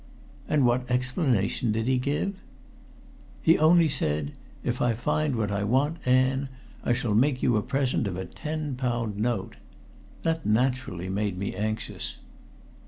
"And what explanation did he give?" "He only said, 'If I find what I want, Ann, I shall make you a present of a ten pound note.' That naturally made me anxious."